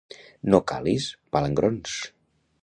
No calis palangrons!